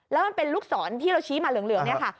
แล้วมันเป็นลูกศรที่เราชี้มาเหลืองเนี่ยค่ะ